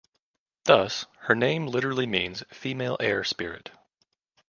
Thus, her name literally means female air spirit.